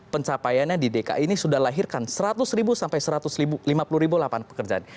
pencapaiannya di dki ini sudah lahirkan seratus sampai satu ratus lima puluh ribu lapangan pekerjaan